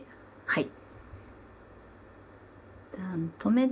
はい。